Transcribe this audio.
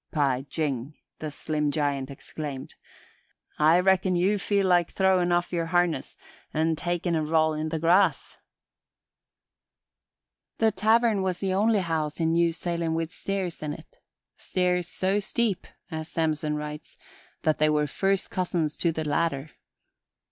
"By jing!" the slim giant exclaimed. "I reckon you feel like throwin' off yer harness an' takin' a roll in the grass." The tavern was the only house in New Salem with stairs in it. Stairs so steep, as Samson writes, that "they were first cousins to the ladder."